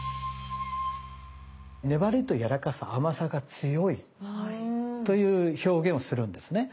粘りとやわらかさ甘さが強いという表現をするんですね。